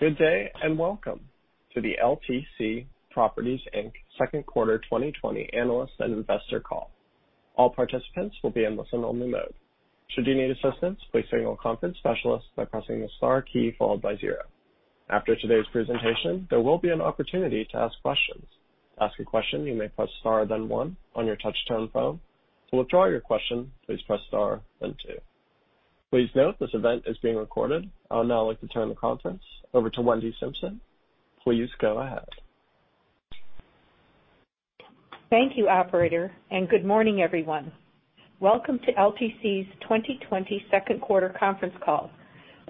Good day. Welcome to the LTC Properties, Inc. second quarter 2020 analyst and investor call. All participants will be in listen-only mode. Should you need assistance, please signal a conference specialist by pressing the star key, followed by zero. After today's presentation, there will be an opportunity to ask questions. To ask a question, you may press star, then one on your touch-tone phone. To withdraw your question, please press star, then two. Please note this event is being recorded. I would now like to turn the conference over to Wendy Simpson. Please go ahead. Thank you, operator, and good morning, everyone. Welcome to LTC's 2020 second quarter conference call.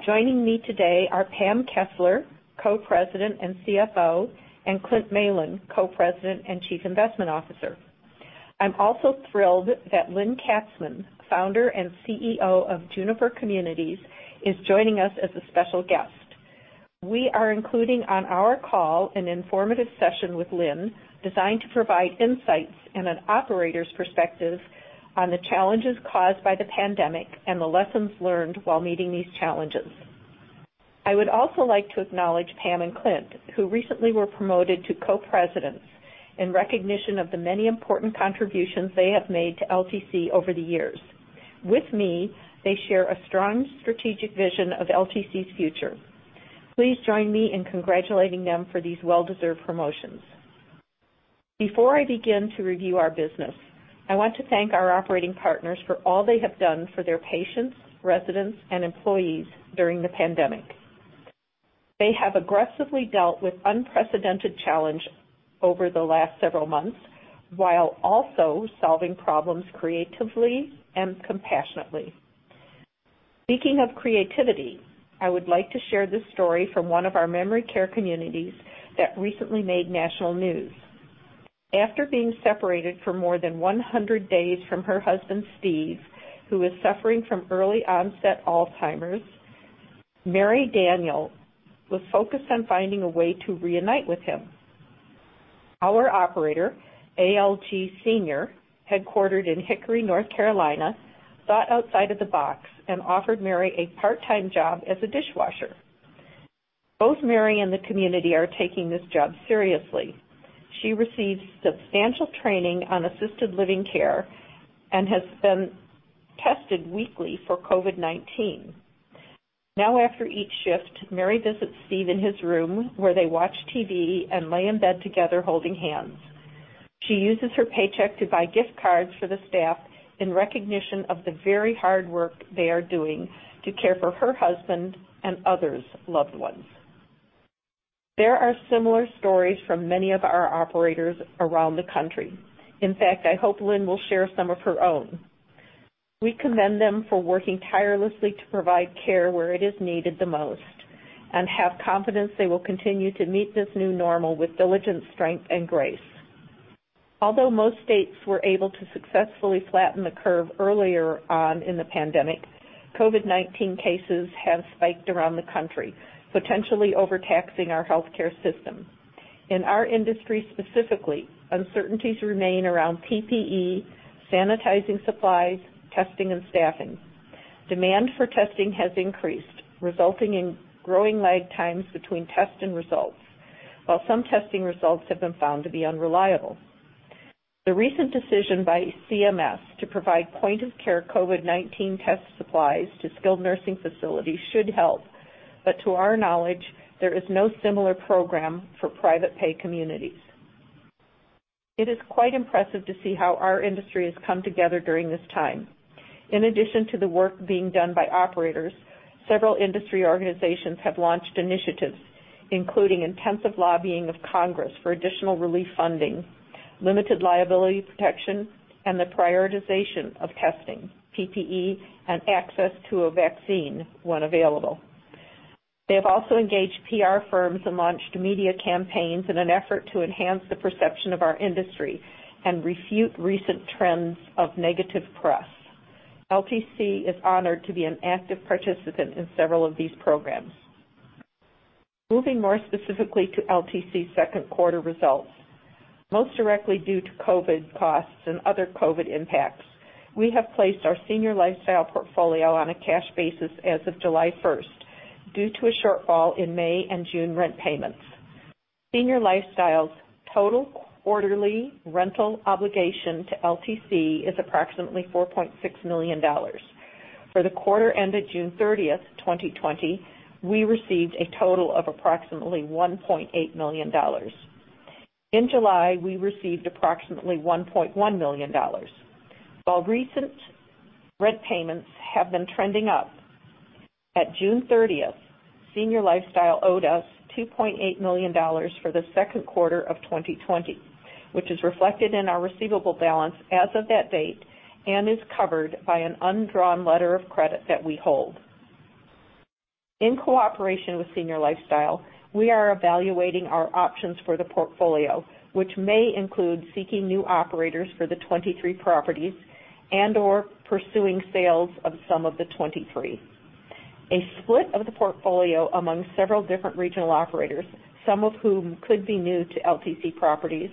Joining me today are Pam Kessler, Co-President and CFO, and Clint Malin, Co-President and Chief Investment Officer. I'm also thrilled that Lynne Katzmann, Founder and CEO of Juniper Communities, is joining us as a special guest. We are including on our call an informative session with Lynne, designed to provide insights and an operator's perspective on the challenges caused by the pandemic and the lessons learned while meeting these challenges. I would also like to acknowledge Pam and Clint, who recently were promoted to Co-Presidents in recognition of the many important contributions they have made to LTC over the years. With me, they share a strong strategic vision of LTC's future. Please join me in congratulating them for these well-deserved promotions. Before I begin to review our business, I want to thank our operating partners for all they have done for their patients, residents, and employees during the pandemic. They have aggressively dealt with unprecedented challenge over the last several months, while also solving problems creatively and compassionately. Speaking of creativity, I would like to share this story from one of our memory care communities that recently made national news. After being separated for more than 100 days from her husband, Steve, who is suffering from early onset Alzheimer's, Mary Daniel was focused on finding a way to reunite with him. Our operator, ALG Senior, headquartered in Hickory, North Carolina, thought outside of the box and offered Mary a part-time job as a dishwasher. Both Mary and the community are taking this job seriously. She received substantial training on assisted living care and has been tested weekly for COVID-19. Now, after each shift, Mary visits Steve in his room, where they watch TV and lay in bed together, holding hands. She uses her paycheck to buy gift cards for the staff in recognition of the very hard work they are doing to care for her husband and others' loved ones. There are similar stories from many of our operators around the country. In fact, I hope Lynne will share some of her own. We commend them for working tirelessly to provide care where it is needed the most and have confidence they will continue to meet this new normal with diligent strength and grace. Although most states were able to successfully flatten the curve earlier on in the pandemic, COVID-19 cases have spiked around the country, potentially overtaxing our healthcare system. In our industry specifically, uncertainties remain around PPE, sanitizing supplies, testing, and staffing. Demand for testing has increased, resulting in growing lag times between tests and results. While some testing results have been found to be unreliable. The recent decision by CMS to provide point-of-care COVID-19 test supplies to skilled nursing facilities should help. To our knowledge, there is no similar program for private pay communities. It is quite impressive to see how our industry has come together during this time. In addition to the work being done by operators, several industry organizations have launched initiatives, including intensive lobbying of Congress for additional relief funding, limited liability protection, and the prioritization of testing, PPE, and access to a vaccine when available. They have also engaged PR firms and launched media campaigns in an effort to enhance the perception of our industry and refute recent trends of negative press. LTC is honored to be an active participant in several of these programs. Moving more specifically to LTC's second quarter results. Most directly due to COVID costs and other COVID impacts, we have placed our Senior Lifestyle portfolio on a cash basis as of July 1st due to a shortfall in May and June rent payments. Senior Lifestyle's total quarterly rental obligation to LTC is approximately $4.6 million. For the quarter ended June 30th, 2020, we received a total of approximately $1.8 million. In July, we received approximately $1.1 million. While recent rent payments have been trending up, at June 30th, Senior Lifestyle owed us $2.8 million for the second quarter of 2020, which is reflected in our receivable balance as of that date and is covered by an undrawn letter of credit that we hold. In cooperation with Senior Lifestyle, we are evaluating our options for the portfolio, which may include seeking new operators for the 23 properties and/or pursuing sales of some of the 23. A split of the portfolio among several different regional operators, some of whom could be new to LTC Properties,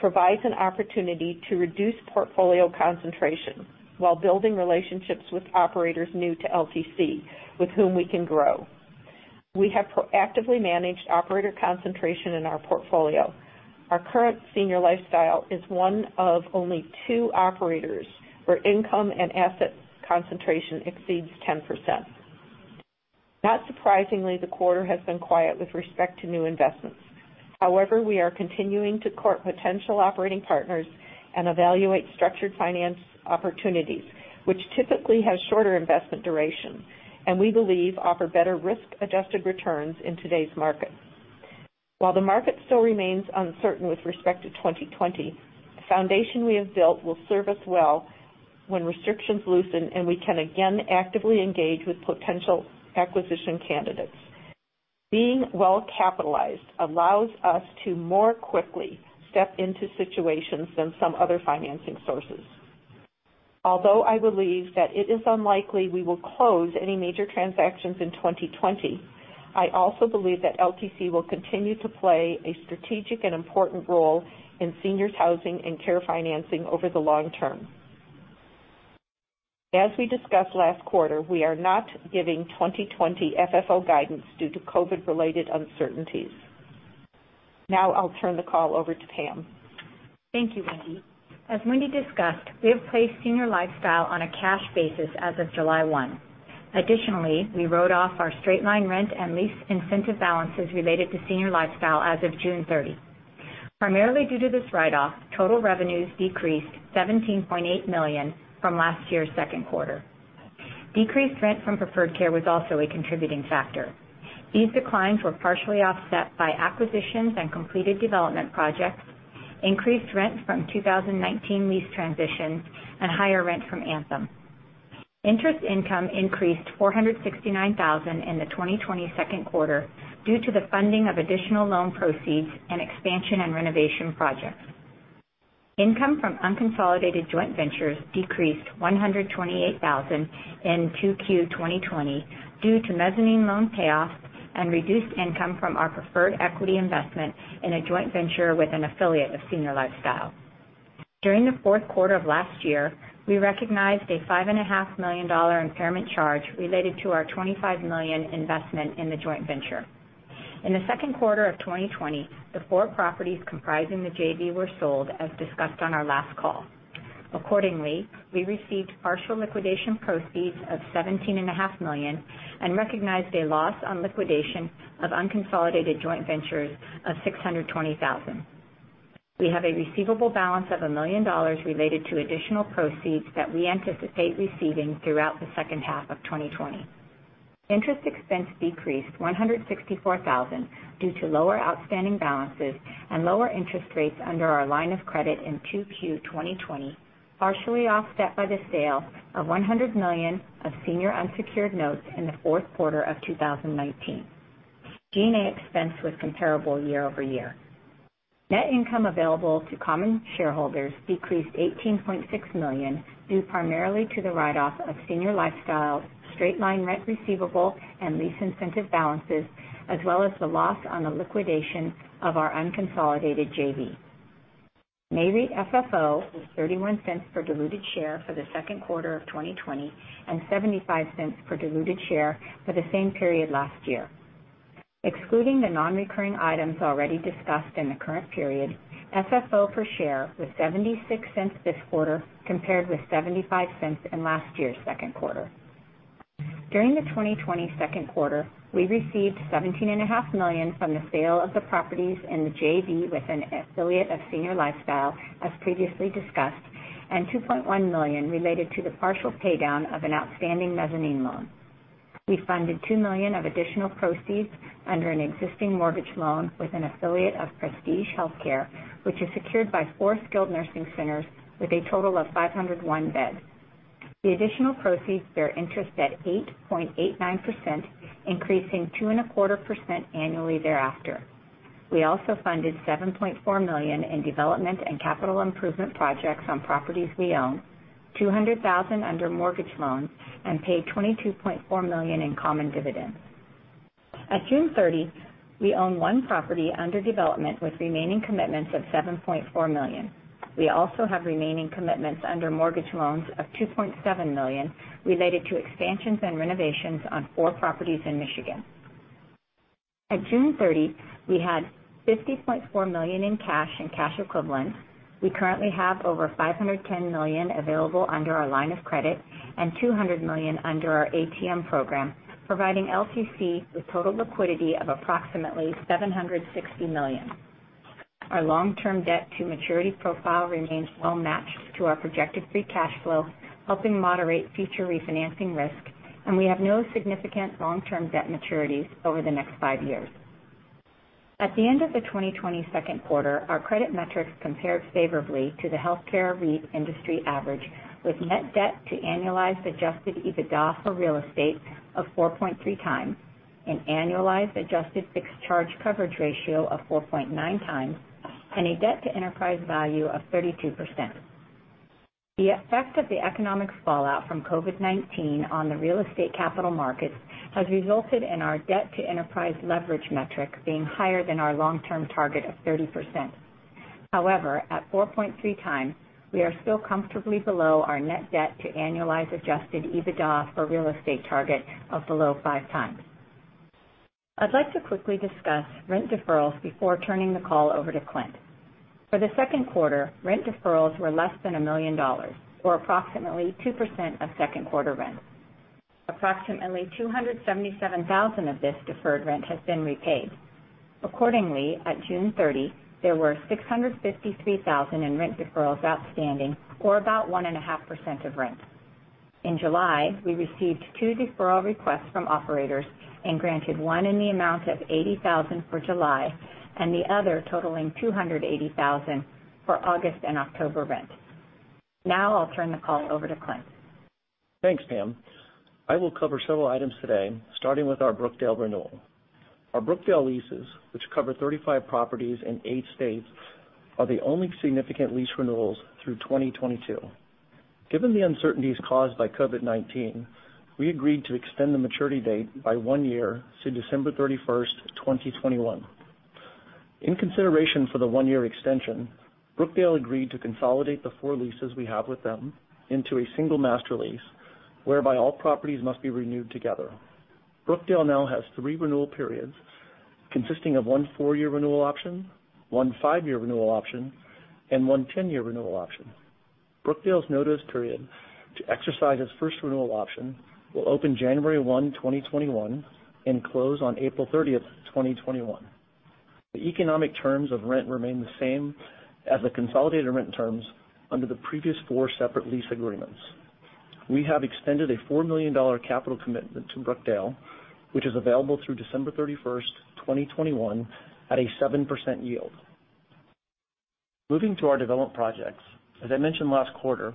provides an opportunity to reduce portfolio concentration while building relationships with operators new to LTC with whom we can grow. We have proactively managed operator concentration in our portfolio. Our current Senior Lifestyle is one of only two operators where income and asset concentration exceeds 10%. Not surprisingly, the quarter has been quiet with respect to new investments. However, we are continuing to court potential operating partners and evaluate structured finance opportunities, which typically have shorter investment duration, and we believe offer better risk-adjusted returns in today's market. While the market still remains uncertain with respect to 2020, the foundation we have built will serve us well when restrictions loosen, and we can again actively engage with potential acquisition candidates. Being well-capitalized allows us to more quickly step into situations than some other financing sources. Although I believe that it is unlikely we will close any major transactions in 2020, I also believe that LTC will continue to play a strategic and important role in seniors housing and care financing over the long term. As we discussed last quarter, we are not giving 2020 FFO guidance due to COVID-related uncertainties. Now I'll turn the call over to Pam. Thank you, Wendy. As Wendy discussed, we have placed Senior Lifestyle on a cash basis as of July 1. Additionally, we wrote off our straight-line rent and lease incentive balances related to Senior Lifestyle as of June 30. Primarily due to this write-off, total revenues decreased $17.8 million from last year's second quarter. Decreased rent from Preferred Care was also a contributing factor. These declines were partially offset by acquisitions and completed development projects, increased rent from 2019 lease transitions, and higher rent from Anthem. Interest income increased $469,000 in the 2020 second quarter due to the funding of additional loan proceeds and expansion and renovation projects. Income from unconsolidated joint ventures decreased $128,000 in 2Q 2020 due to mezzanine loan payoffs and reduced income from our preferred equity investment in a joint venture with an affiliate of Senior Lifestyle. During the fourth quarter of last year, we recognized a $5.5 million impairment charge related to our $25 million investment in the joint venture. In the second quarter of 2020, the four properties comprising the JV were sold, as discussed on our last call. Accordingly, we received partial liquidation proceeds of $17.5 million and recognized a loss on liquidation of unconsolidated joint ventures of $620,000. We have a receivable balance of $1 million related to additional proceeds that we anticipate receiving throughout the second half of 2020. Interest expense decreased $164,000 due to lower outstanding balances and lower interest rates under our line of credit in 2Q 2020, partially offset by the sale of $100 million of senior unsecured notes in the fourth quarter of 2019. G&A expense was comparable year-over-year. Net income available to common shareholders decreased $18.6 million due primarily to the write-off of Senior Lifestyle's straight-line rent receivable and lease incentive balances, as well as the loss on the liquidation of our unconsolidated JV. Nareit FFO was $0.31 per diluted share for the second quarter of 2020 and $0.75 per diluted share for the same period last year. Excluding the non-recurring items already discussed in the current period, FFO per share was $0.76 this quarter, compared with $0.75 in last year's second quarter. During the 2020 second quarter, we received $17.5 million from the sale of the properties in the JV with an affiliate of Senior Lifestyle, as previously discussed, and $2.1 million related to the partial paydown of an outstanding mezzanine loan. We funded $2 million of additional proceeds under an existing mortgage loan with an affiliate of Prestige Healthcare, which is secured by four skilled nursing centers with a total of 501 beds. The additional proceeds bear interest at 8.89%, increasing 2.25% annually thereafter. We also funded $7.4 million in development and capital improvement projects on properties we own, $200,000 under mortgage loans, and paid $22.4 million in common dividends. At June 30th, we own one property under development with remaining commitments of $7.4 million. We also have remaining commitments under mortgage loans of $2.7 million related to expansions and renovations on four properties in Michigan. At June 30, we had $50.4 million in cash and cash equivalents. We currently have over $510 million available under our line of credit and $200 million under our ATM program, providing LTC with total liquidity of approximately $760 million. Our long-term debt to maturity profile remains well-matched to our projected free cash flow, helping moderate future refinancing risk, and we have no significant long-term debt maturities over the next five years. At the end of the 2020 second quarter, our credit metrics compared favorably to the healthcare REIT industry average, with net debt to annualized adjusted EBITDA for real estate of 4.3x, an annualized adjusted fixed-charge coverage ratio of 4.9x, and a debt-to-enterprise value of 32%. The effect of the economic fallout from COVID-19 on the real estate capital markets has resulted in our debt-to-enterprise leverage metric being higher than our long-term target of 30%. However, at 4.3x, we are still comfortably below our net debt to annualized adjusted EBITDA for real estate target of below 5x. I'd like to quickly discuss rent deferrals before turning the call over to Clint. For the second quarter, rent deferrals were less than $1 million or approximately 2% of second quarter rent. Approximately $277,000 of this deferred rent has been repaid. Accordingly, at June 30, there were $653,000 in rent deferrals outstanding, or about 1.5% of rent. In July, we received two deferral requests from operators and granted one in the amount of $80,000 for July and the other totaling $280,000 for August and October rent. I'll turn the call over to Clint. Thanks, Pam. I will cover several items today, starting with our Brookdale renewal. Our Brookdale leases, which cover 35 properties in eight states, are the only significant lease renewals through 2022. Given the uncertainties caused by COVID-19, we agreed to extend the maturity date by one year to December 31st, 2021. In consideration for the one-year extension, Brookdale agreed to consolidate the four leases we have with them into a single master lease, whereby all properties must be renewed together. Brookdale now has three renewal periods consisting of one four-year renewal option, one five-year renewal option, and one ten-year renewal option. Brookdale's notice period to exercise its first renewal option will open January 1, 2021, and close on April 30th, 2021. The economic terms of rent remain the same as the consolidated rent terms under the previous four separate lease agreements. We have extended a $4 million capital commitment to Brookdale, which is available through December 31st, 2021, at a 7% yield. Moving to our development projects. As I mentioned last quarter,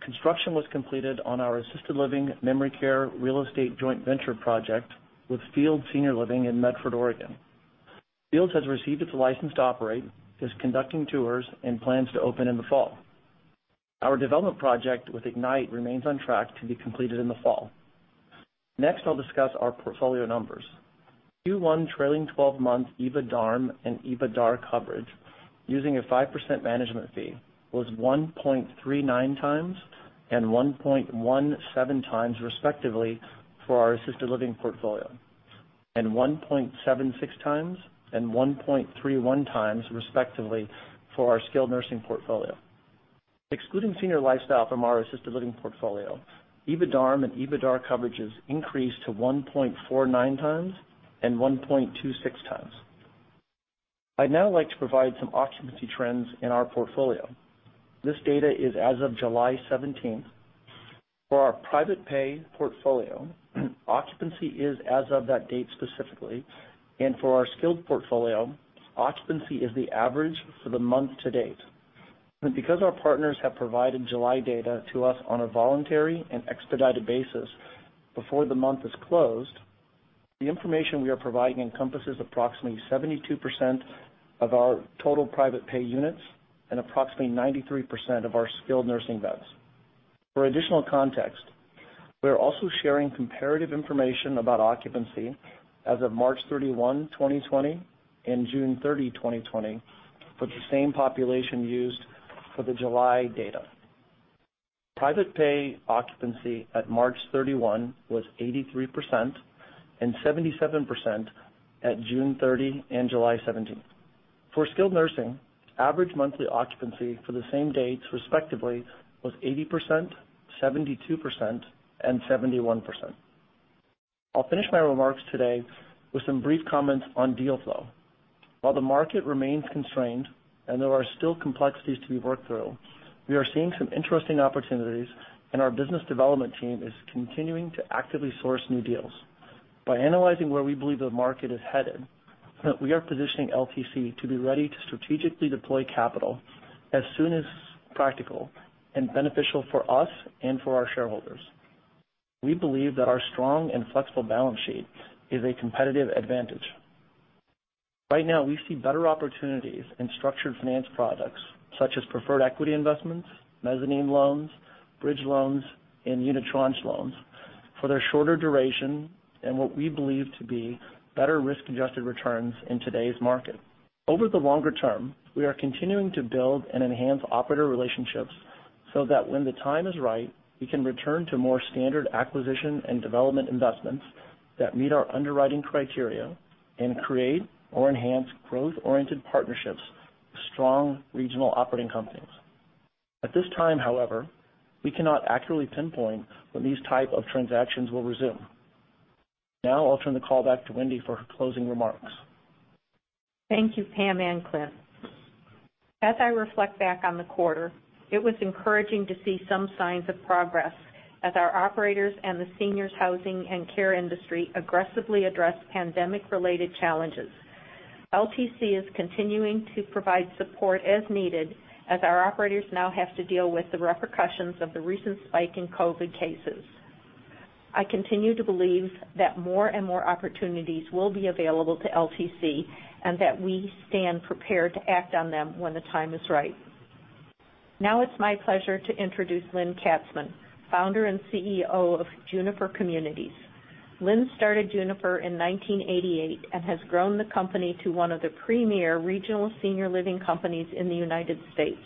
construction was completed on our assisted living memory care real estate joint venture project with Fields Senior Living in Medford, Oregon. Fields has received its license to operate, is conducting tours, and plans to open in the fall. Our development project with Ignite remains on track to be completed in the fall. Next, I'll discuss our portfolio numbers. Q1 trailing 12-month, EBITDARM and EBITDAR coverage using a 5% management fee was 1.39 times and 1.17 times, respectively, for our assisted living portfolio, and 1.76x and 1.31x, respectively, for our skilled nursing portfolio. Excluding Senior Lifestyle from our assisted living portfolio, EBITDARM and EBITDAR coverages increased to 1.49x and 1.26x. I'd now like to provide some occupancy trends in our portfolio. This data is as of July 17th. For our private pay portfolio, occupancy is as of that date specifically, and for our skilled portfolio, occupancy is the average for the month-to-date. Because our partners have provided July data to us on a voluntary and expedited basis before the month is closed, the information we are providing encompasses approximately 72% of our total private pay units and approximately 93% of our skilled nursing beds. For additional context, we are also sharing comparative information about occupancy as of March 31, 2020, and June 30, 2020, for the same population used for the July data. Private pay occupancy at March 31 was 83% and 77% at June 30 and July 17th. For skilled nursing, average monthly occupancy for the same dates, respectively, was 80%, 72%, and 71%. I'll finish my remarks today with some brief comments on deal flow. While the market remains constrained and there are still complexities to be worked through, we are seeing some interesting opportunities, and our business development team is continuing to actively source new deals. By analyzing where we believe the market is headed, we are positioning LTC to be ready to strategically deploy capital as soon as practical and beneficial for us and for our shareholders. We believe that our strong and flexible balance sheet is a competitive advantage. Right now, we see better opportunities in structured finance products such as preferred equity investments, mezzanine loans, bridge loans, and unitranche loans for their shorter duration and what we believe to be better risk-adjusted returns in today's market. Over the longer term, we are continuing to build and enhance operator relationships so that when the time is right, we can return to more standard acquisition and development investments that meet our underwriting criteria and create or enhance growth-oriented partnerships with strong regional operating companies. At this time, however, we cannot accurately pinpoint when these type of transactions will resume. Now I'll turn the call back to Wendy for her closing remarks. Thank you, Pam and Clint. As I reflect back on the quarter, it was encouraging to see some signs of progress as our operators and the seniors housing and care industry aggressively address pandemic-related challenges. LTC is continuing to provide support as needed as our operators now have to deal with the repercussions of the recent spike in COVID cases. I continue to believe that more and more opportunities will be available to LTC, and that we stand prepared to act on them when the time is right. It's my pleasure to introduce Lynne Katzmann, Founder and CEO of Juniper Communities. Lynne started Juniper in 1988 and has grown the company to one of the premier regional senior living companies in the United States.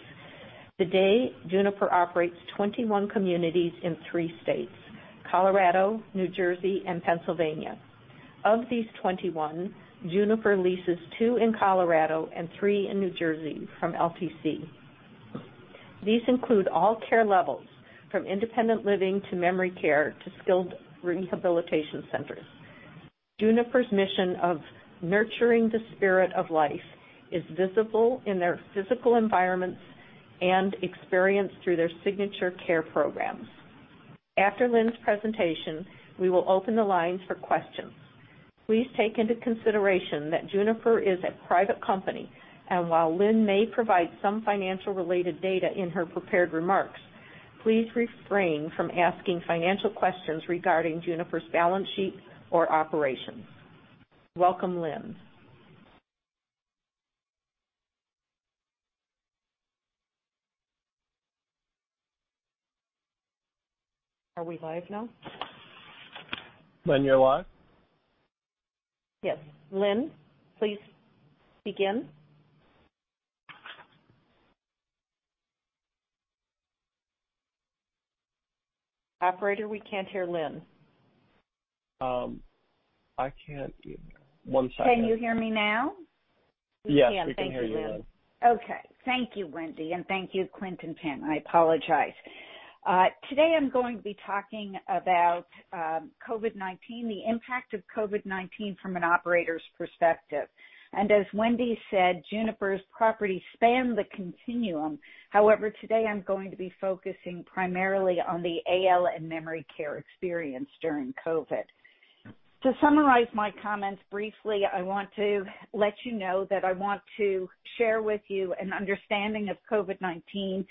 Juniper operates 21 communities in three states, Colorado, New Jersey, and Pennsylvania. Of these 21, Juniper leases two in Colorado and three in New Jersey from LTC. These include all care levels from independent living to memory care to skilled rehabilitation centers. Juniper's mission of nurturing the spirit of life is visible in their physical environments and experienced through their signature care programs. After Lynne's presentation, we will open the lines for questions. Please take into consideration that Juniper is a private company, and while Lynne may provide some financial-related data in her prepared remarks, please refrain from asking financial questions regarding Juniper's balance sheet or operations. Welcome, Lynne. Are we live now? Lynne, you're live. Yes, Lynne, please begin. Operator, we can't hear Lynne. One second. Can you hear me now? Yes, we can hear you, Lynne. We can. Thank you, Lynne. Okay. Thank you, Wendy, thank you, Clint and Pam. I apologize. Today, I'm going to be talking about COVID-19, the impact of COVID-19 from an operator's perspective. As Wendy said, Juniper's properties span the continuum. However, today, I'm going to be focusing primarily on the AL and memory care experience during COVID. To summarize my comments briefly, I want to let you know that I want to share with you an understanding of COVID-19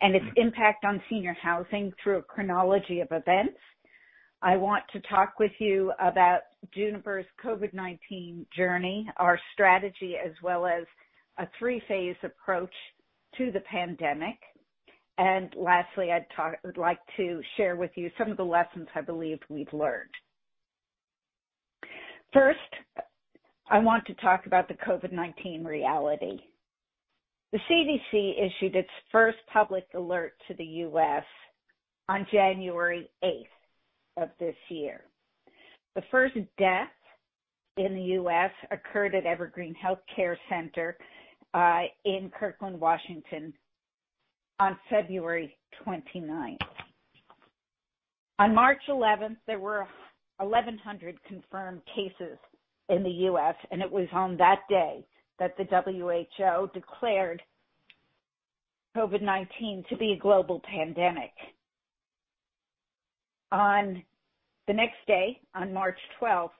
and its impact on senior housing through a chronology of events. I want to talk with you about Juniper's COVID-19 journey, our strategy, as well as a three-phase approach to the pandemic. Lastly, I'd like to share with you some of the lessons I believe we've learned. First, I want to talk about the COVID-19 reality. The CDC issued its first public alert to the U.S. on January 8th of this year. The first death in the U.S. occurred at EvergreenHealth Medical Center, in Kirkland, Washington, on February 29th. On March 11th, there were 1,100 confirmed cases in the U.S., and it was on that day that the WHO declared COVID-19 to be a global pandemic. On the next day, on March 12th,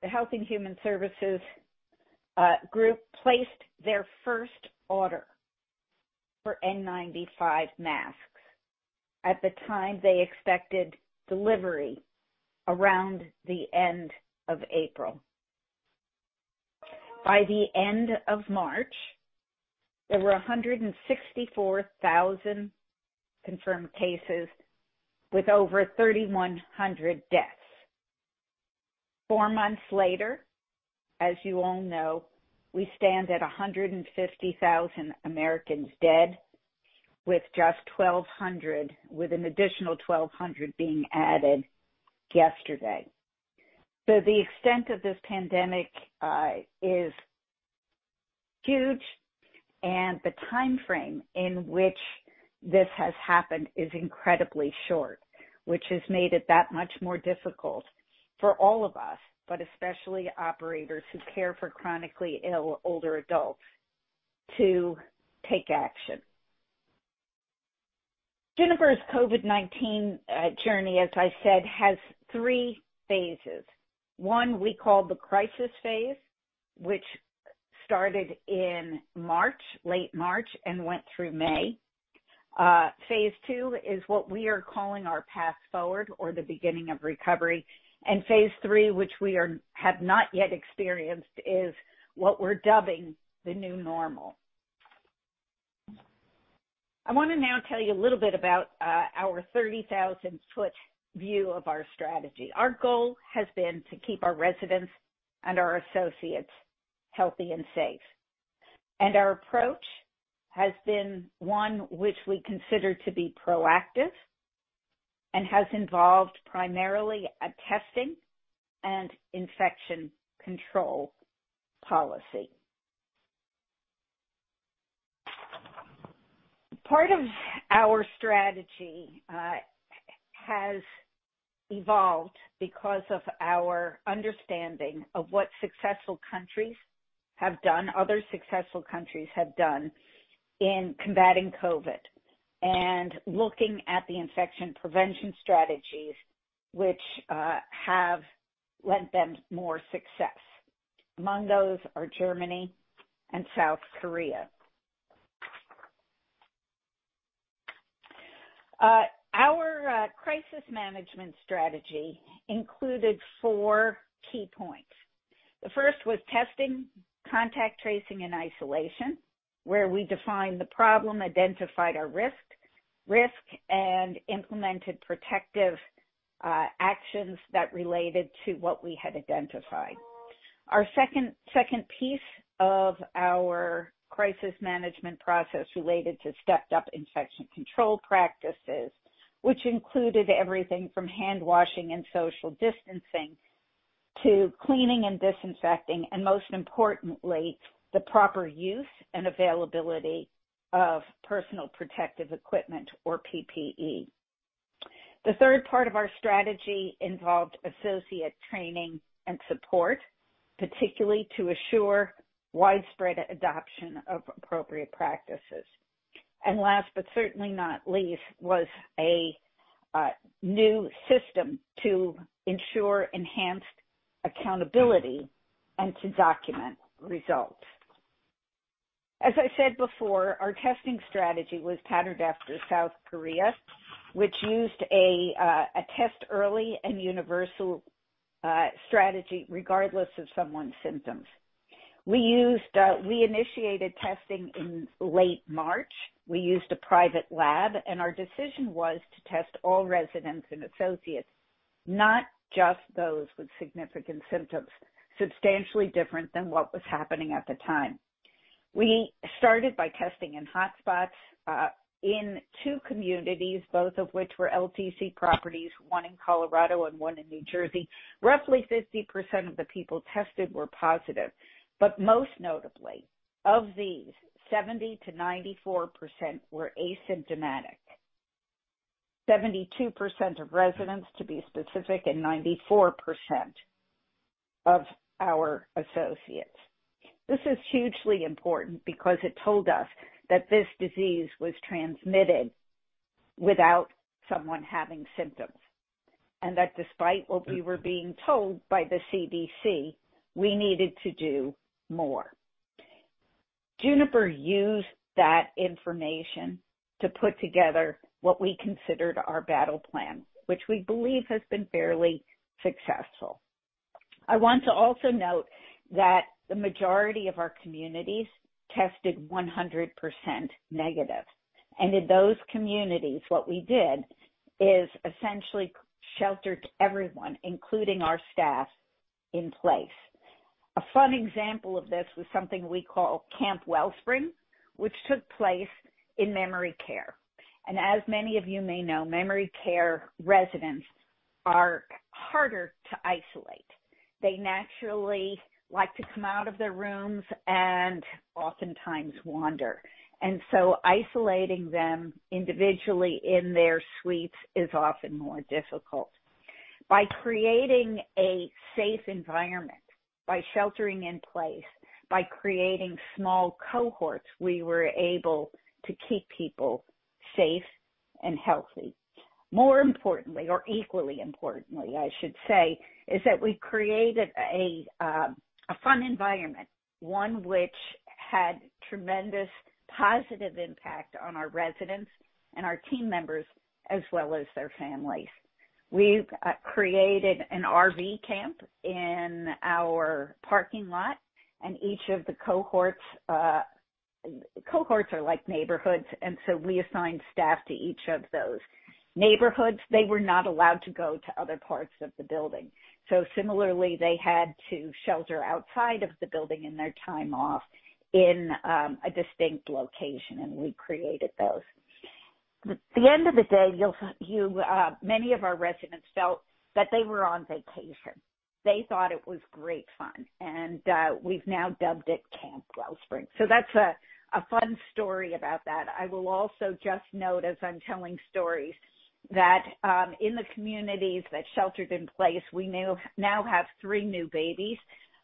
the Department of Health and Human Services placed their first order for N95 masks. At the time, they expected delivery around the end of April. By the end of March, there were 164,000 confirmed cases with over 3,100 deaths. Four months later, as you all know, we stand at 150,000 Americans dead, with an additional 1,200 being added yesterday. The extent of this pandemic is huge, and the timeframe in which this has happened is incredibly short, which has made it that much more difficult for all of us, but especially operators who care for chronically ill older adults to take action. Juniper's COVID-19 journey, as I said, has three phases. One we call the crisis phase, which started in March, late March, and went through May. Phase II is what we are calling our path forward or the beginning of recovery. Phase III which we have not yet experienced, is what we're dubbing the new normal. I want to now tell you a little bit about our 30,000-foot view of our strategy. Our goal has been to keep our residents and our associates healthy and safe. Our approach has been one which we consider to be proactive and has involved primarily a testing and infection control policy. Part of our strategy has evolved because of our understanding of what successful countries have done, other successful countries have done in combating COVID-19, and looking at the infection prevention strategies which have lent them more success. Among those are Germany and South Korea. Our crisis management strategy included four key points. The first was testing, contact tracing, and isolation, where we defined the problem, identified our risk, and implemented protective actions that related to what we had identified. Our second piece of our crisis management process related to stepped-up infection control practices, which included everything from handwashing and social distancing to cleaning and disinfecting, and most importantly, the proper use and availability of personal protective equipment or PPE. The third part of our strategy involved associate training and support, particularly to assure widespread adoption of appropriate practices. Last but certainly not least, was a new system to ensure enhanced accountability and to document results. As I said before, our testing strategy was patterned after South Korea, which used a test early and universal strategy regardless of someone's symptoms. We initiated testing in late March. We used a private lab, and our decision was to test all residents and associates, not just those with significant symptoms, substantially different than what was happening at the time. We started by testing in hotspots in two communities, both of which were LTC Properties, one in Colorado and one in New Jersey. Roughly 50% of the people tested were positive, but most notably, of these, 70%-94% were asymptomatic. 72% of residents, to be specific, and 94% of our associates. This is hugely important because it told us that this disease was transmitted without someone having symptoms, and that despite what we were being told by the CDC, we needed to do more. Juniper used that information to put together what we considered our battle plan, which we believe has been fairly successful. I want to also note that the majority of our communities tested 100% negative. In those communities, what we did is essentially sheltered everyone, including our staff, in place. A fun example of this was something we call Camp Wellspring, which took place in memory care. As many of you may know, memory care residents are harder to isolate. They naturally like to come out of their rooms and oftentimes wander. Isolating them individually in their suites is often more difficult. By creating a safe environment, by sheltering in place, by creating small cohorts, we were able to keep people safe and healthy. More importantly, or equally importantly, I should say, is that we created a fun environment, one which had tremendous positive impact on our residents and our team members, as well as their families. We've created an RV camp in our parking lot, and each of the cohorts are like neighborhoods, and so we assigned staff to each of those neighborhoods. They were not allowed to go to other parts of the building. Similarly, they had to shelter outside of the building in their time off in a distinct location, and we created those. At the end of the day, many of our residents felt that they were on vacation. They thought it was great fun, and we've now dubbed it Camp Wellspring. That's a fun story about that. I will also just note as I'm telling stories, that in the communities that sheltered in place, we now have three new babies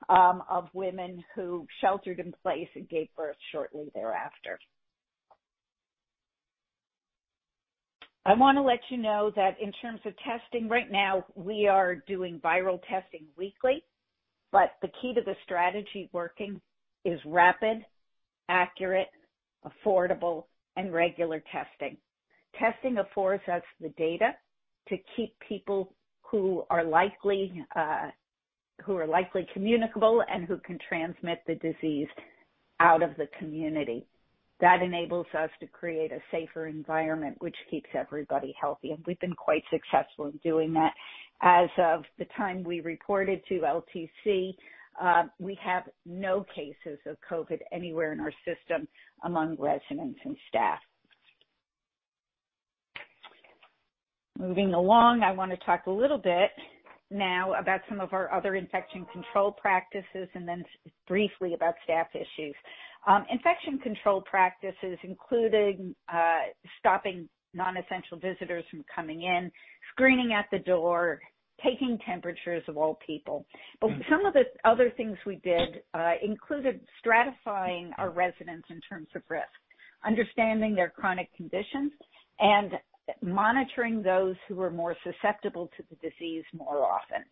of women who sheltered in place and gave birth shortly thereafter. I want to let you know that in terms of testing, right now, we are doing viral testing weekly. The key to the strategy working is rapid, accurate, affordable, and regular testing. Testing affords us the data to keep people who are likely communicable and who can transmit the disease out of the community. That enables us to create a safer environment which keeps everybody healthy, and we've been quite successful in doing that. As of the time we reported to LTC, we have no cases of COVID anywhere in our system among residents and staff. Moving along, I want to talk a little bit now about some of our other infection control practices and then briefly about staff issues. Infection control practices including stopping non-essential visitors from coming in, screening at the door, taking temperatures of all people. Some of the other things we did included stratifying our residents in terms of risk, understanding their chronic conditions, and monitoring those who are more susceptible to the disease more often.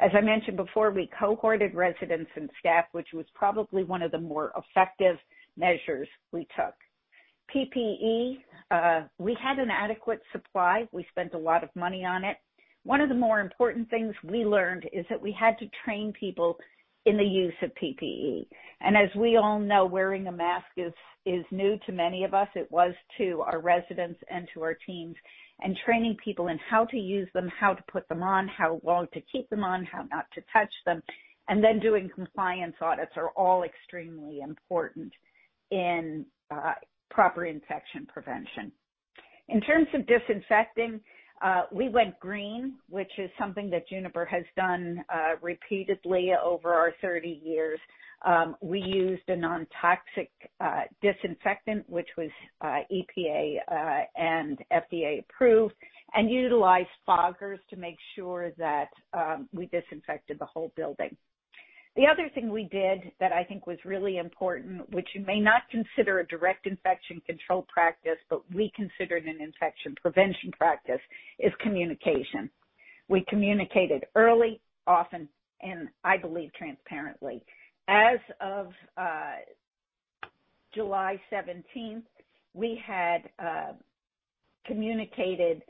As I mentioned before, we cohorted residents and staff, which was probably one of the more effective measures we took. PPE, we had an adequate supply. We spent a lot of money on it. One of the more important things we learned is that we had to train people in the use of PPE. As we all know, wearing a mask is new to many of us. It was to our residents and to our teams, and training people in how to use them, how to put them on, how long to keep them on, how not to touch them, and then doing compliance audits are all extremely important in proper infection prevention. In terms of disinfecting, we went green, which is something that Juniper has done repeatedly over our 30 years. We used a non-toxic disinfectant, which was EPA and FDA-approved, and utilized foggers to make sure that we disinfected the whole building. The other thing we did that I think was really important, which you may not consider a direct infection control practice, but we considered an infection prevention practice, is communication. We communicated early, often, and I believe transparently. As of July 17th, we had communicated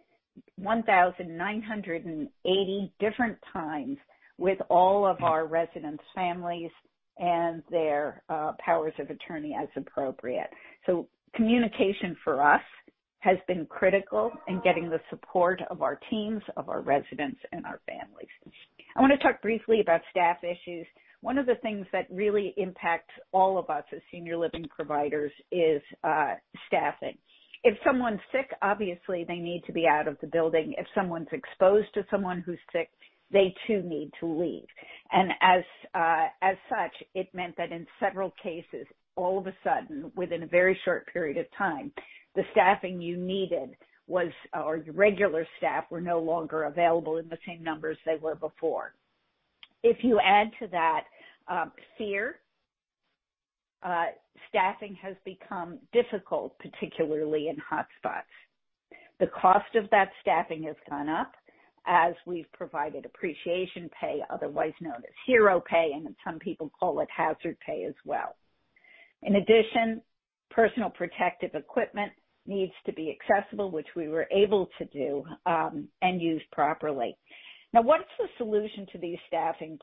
1,980 different times with all of our residents' families and their powers of attorney as appropriate. Communication for us has been critical in getting the support of our teams, of our residents, and our families. I want to talk briefly about staff issues. One of the things that really impacts all of us as senior living providers is staffing. If someone's sick, obviously they need to be out of the building. If someone's exposed to someone who's sick, they too need to leave. As such, it meant that in several cases, all of a sudden, within a very short period of time, the staffing you needed was, or your regular staff were no longer available in the same numbers they were before. If you add to that fear, staffing has become difficult, particularly in hotspots. The cost of that staffing has gone up as we've provided appreciation pay, otherwise known as hero pay, and some people call it hazard pay as well. In addition, personal protective equipment needs to be accessible, which we were able to do, and use properly. Now, what's the solution to these staffing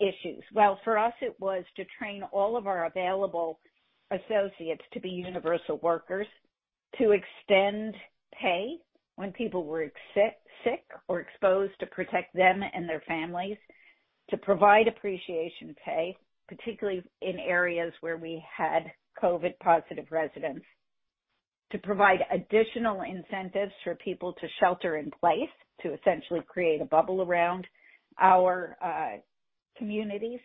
issues? Well, for us, it was to train all of our available associates to be universal workers, to extend pay when people were sick or exposed to protect them and their families, to provide appreciation pay, particularly in areas where we had COVID-positive residents, to provide additional incentives for people to shelter in place to essentially create a bubble around our communities.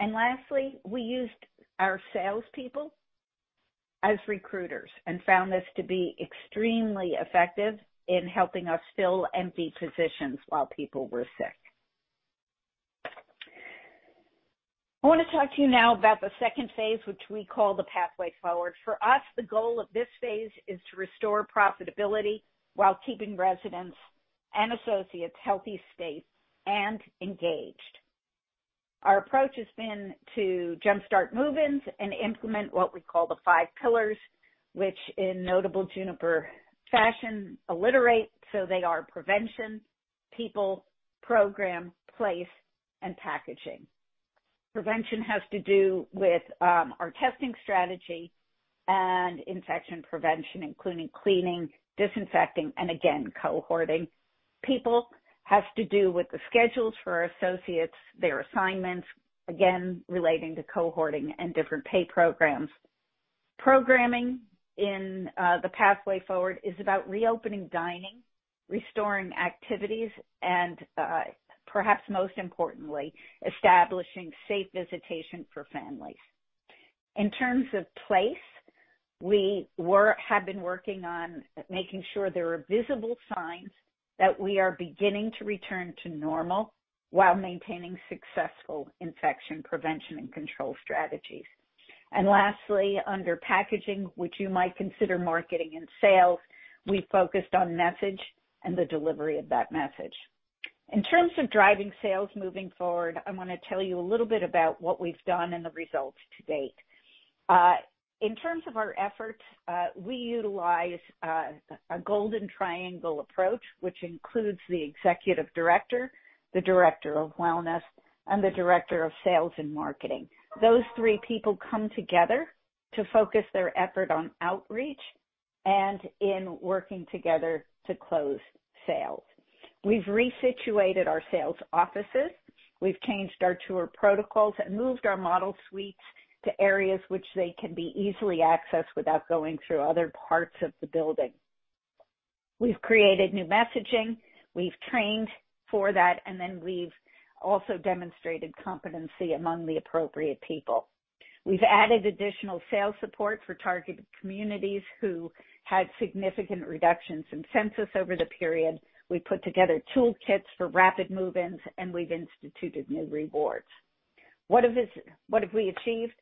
Lastly, we used our salespeople as recruiters and found this to be extremely effective in helping us fill empty positions while people were sick. I want to talk to you now about the second phase, which we call the pathway forward. For us, the goal of this phase is to restore profitability while keeping residents and associates healthy, safe, and engaged. Our approach has been to jumpstart move-ins and implement what we call the five pillars, which in notable Juniper fashion alliterate. They are Prevention, People, Program, Place, and Packaging. Prevention has to do with our testing strategy and infection prevention, including cleaning, disinfecting, and again, cohorting. People has to do with the schedules for our associates, their assignments, again, relating to cohorting and different pay programs. Programming in the pathway forward is about reopening dining, restoring activities, and perhaps most importantly, establishing safe visitation for families. In terms of Place, we have been working on making sure there are visible signs that we are beginning to return to normal while maintaining successful infection prevention and control strategies. Lastly, under Packaging, which you might consider marketing and sales, we focused on message and the delivery of that message. In terms of driving sales moving forward, I want to tell you a little bit about what we've done and the results to-date. In terms of our efforts, we utilize a golden triangle approach, which includes the executive director, the director of wellness, and the director of sales and marketing. Those three people come together to focus their effort on outreach and in working together to close sales. We've resituated our sales offices. We've changed our tour protocols and moved our model suites to areas which they can be easily accessed without going through other parts of the building. We've created new messaging, we've trained for that, and then we've also demonstrated competency among the appropriate people. We've added additional sales support for targeted communities who had significant reductions in census over the period. We put together toolkits for rapid move-ins, and we've instituted new rewards. What have we achieved?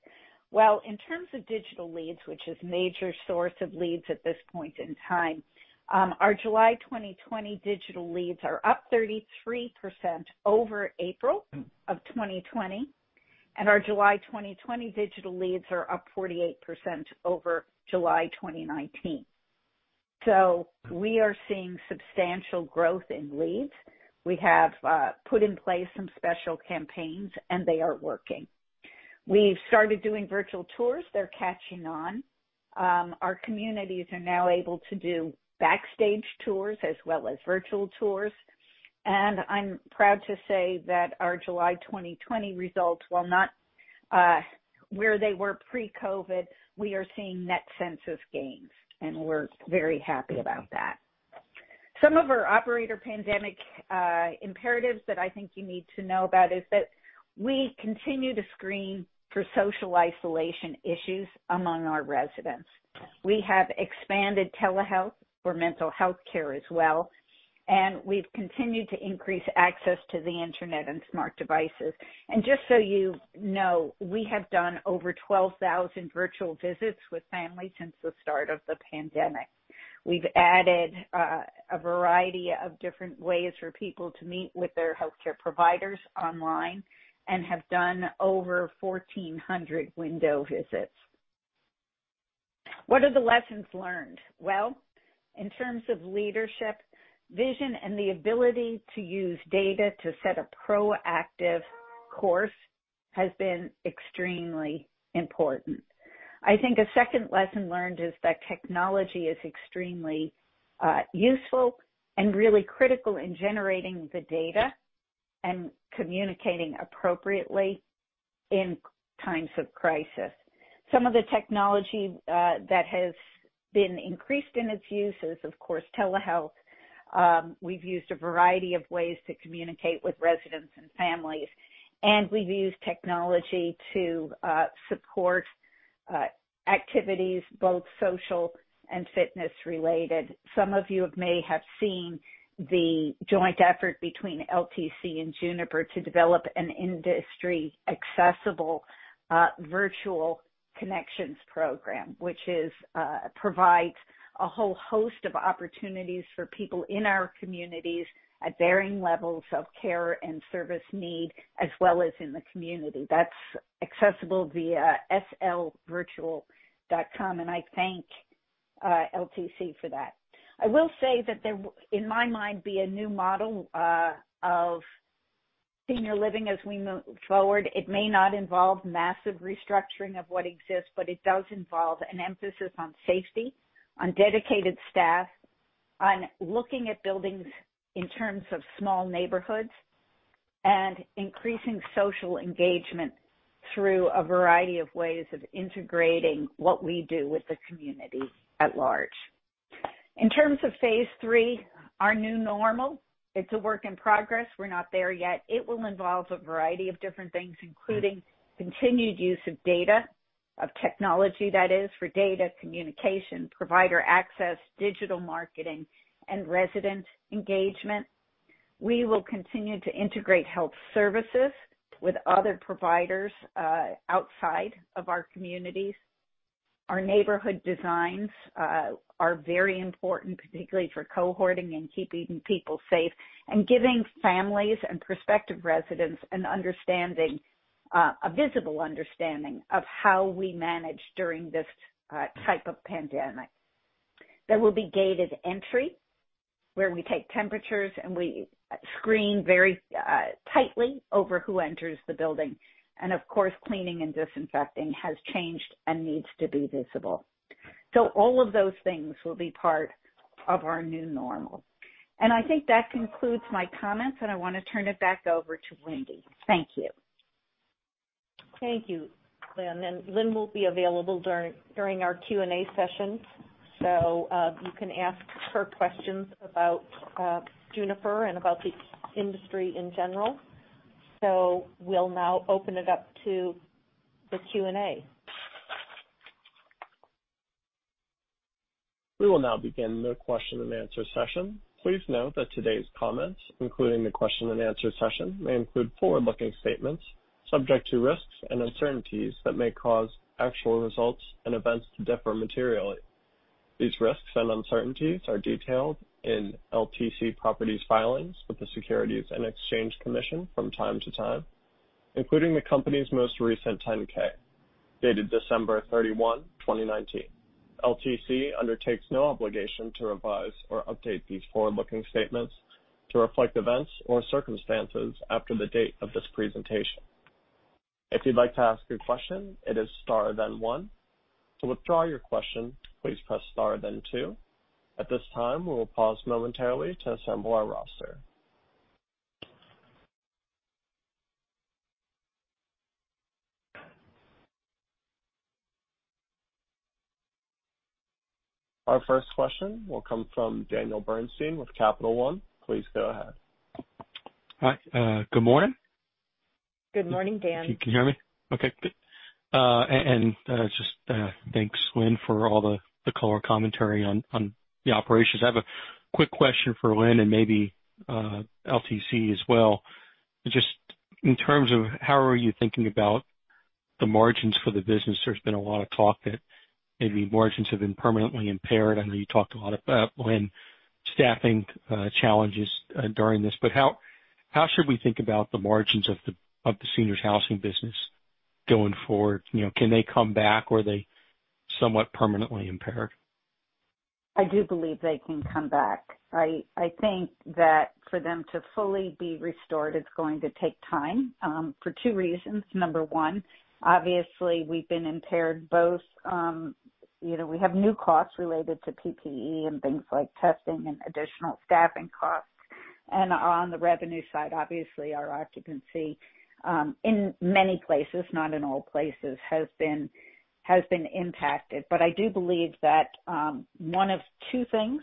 Well, in terms of digital leads, which is major source of leads at this point in time, our July 2020 digital leads are up 33% over April of 2020, and our July 2020 digital leads are up 48% over July 2019. We are seeing substantial growth in leads. We have put in place some special campaigns, and they are working. We've started doing virtual tours. They're catching on. Our communities are now able to do backstage tours as well as virtual tours, and I'm proud to say that our July 2020 results, while not where they were pre-COVID-19, we are seeing net census gains, and we're very happy about that. Some of our operator pandemic imperatives that I think you need to know about is that we continue to screen for social isolation issues among our residents. We have expanded telehealth for mental health care as well, and we've continued to increase access to the internet and smart devices. Just so you know, we have done over 12,000 virtual visits with families since the start of the pandemic. We've added a variety of different ways for people to meet with their healthcare providers online and have done over 1,400 window visits. What are the lessons learned? Well, in terms of leadership, vision, and the ability to use data to set a proactive course has been extremely important. I think a second lesson learned is that technology is extremely useful and really critical in generating the data and communicating appropriately in times of crisis. Some of the technology that has been increased in its use is, of course, telehealth. We've used a variety of ways to communicate with residents and families, and we've used technology to support activities, both social and fitness-related. Some of you may have seen the joint effort between LTC and Juniper to develop an industry-accessible Virtual Connections Program, which provides a whole host of opportunities for people in our communities at varying levels of care and service need, as well as in the community. That's accessible via slvirtual.com. I thank LTC for that. I will say that there, in my mind, be a new model of senior living as we move forward. It may not involve massive restructuring of what exists, it does involve an emphasis on safety, on dedicated staff, on looking at buildings in terms of small neighborhoods, and increasing social engagement through a variety of ways of integrating what we do with the community at large. In terms of phase III, our new normal, it's a work in progress. We're not there yet. It will involve a variety of different things, including continued use of data, of technology that is, for data communication, provider access, digital marketing, and resident engagement. We will continue to integrate health services with other providers outside of our communities. Our neighborhood designs are very important, particularly for cohorting and keeping people safe and giving families and prospective residents an understanding, a visible understanding, of how we manage during this type of pandemic. There will be gated entry where we take temperatures, and we screen very tightly over who enters the building. Of course, cleaning and disinfecting has changed and needs to be visible. All of those things will be part of our new normal. I think that concludes my comments, and I want to turn it back over to Wendy. Thank you. Thank you, Lynne. Lynne will be available during our Q&A session. You can ask her questions about Juniper and about the industry in general. We'll now open it up to the Q&A. We will now begin the question and answer session. Please note that today's comments, including the question and answer session, may include forward-looking statements subject to risks and uncertainties that may cause actual results and events to differ materially. These risks and uncertainties are detailed in LTC Properties filings with the Securities and Exchange Commission from time to time, including the company's most recent 10-K, dated December 31, 2019. LTC undertakes no obligation to revise or update these forward-looking statements to reflect events or circumstances after the date of this presentation. If you'd like to ask a question, it is star, then one. To withdraw your question, please press star, then two. At this time, we will pause momentarily to assemble our roster. Our first question will come from Daniel Bernstein with Capital One. Please go ahead. Hi. Good morning. Good morning, Dan. Can you hear me? Okay, good. Just thanks, Lynne, for all the color commentary on the operations. I have a quick question for Lynne and maybe LTC as well. Just in terms of how are you thinking about the margins for the business, there's been a lot of talk that maybe margins have been permanently impaired. I know you talked a lot about, Lynne, staffing challenges during this, How should we think about the margins of the seniors housing business going forward? Can they come back, or are they somewhat permanently impaired? I do believe they can come back. I think that for them to fully be restored, it's going to take time, for two reasons. Number one, obviously, we've been impaired. We have new costs related to PPE and things like testing and additional staffing costs. On the revenue side, obviously, our occupancy, in many places, not in all places, has been impacted. I do believe that one of two things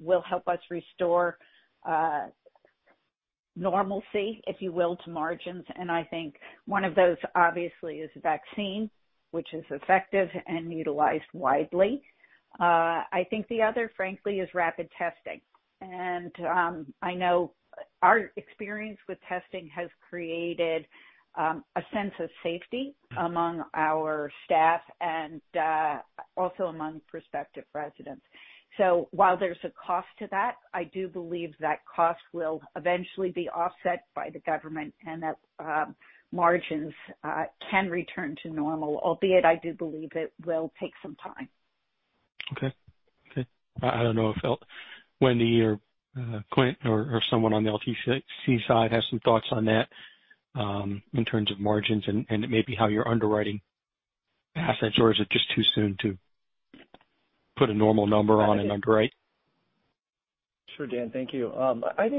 will help us restore normalcy, if you will, to margins. I think one of those, obviously, is a vaccine which is effective and utilized widely. I think the other, frankly, is rapid testing. I know our experience with testing has created a sense of safety among our staff and also among prospective residents. While there's a cost to that, I do believe that cost will eventually be offset by the government and that margins can return to normal, albeit I do believe it will take some time. Okay. I don't know if Wendy or Clint or someone on the LTC side has some thoughts on that, in terms of margins and maybe how you're underwriting assets, or is it just too soon to put a normal number on and underwrite? Sure, Dan. Thank you.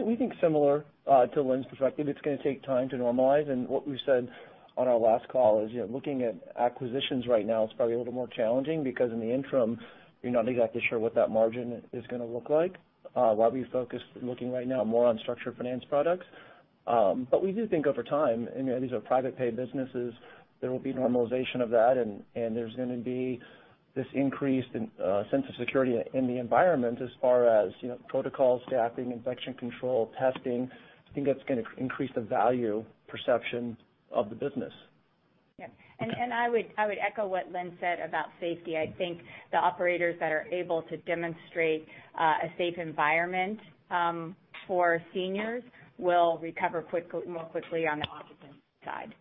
We think similar to Lynne's perspective. It's going to take time to normalize, and what we've said on our last call is, looking at acquisitions right now, it's probably a little more challenging because in the interim, you're not exactly sure what that margin is going to look like, while we focus looking right now more on structured finance products. We do think over time, these are private pay businesses, there will be normalization of that, and there's going to be this increased sense of security in the environment as far as protocols, staffing, infection control, testing. I think that's going to increase the value perception of the business. I would echo what Lynne said about safety. I think the operators that are able to demonstrate a safe environment for seniors will recover more quickly on the occupancy side.